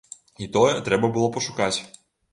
І тое, трэба было пашукаць.